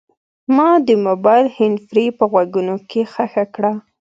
ما د موبایل هینډفري په غوږونو کې ښخه کړه.